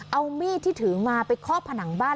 เอามีดที่ถือมาไปคอบผนังบ้าน